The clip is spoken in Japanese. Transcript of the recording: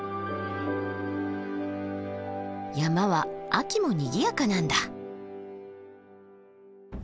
山は秋もにぎやかなんだ。